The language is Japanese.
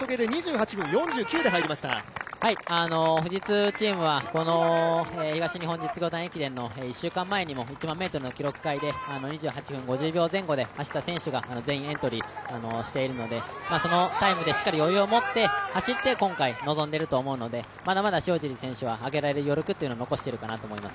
富士通チームは東日本実業団駅伝の１週間前にも１００００ｍの記録会で２８分５０秒前後で走った選手が全員エントリーしているので、そのタイムでしっかり余裕を持って今回臨んでいると思うので今回望んでいると思うのでまだまだ塩尻選手はあげられる余力を残している都澪ます。